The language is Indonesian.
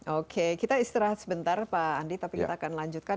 oke kita istirahat sebentar pak andi tapi kita akan lanjutkan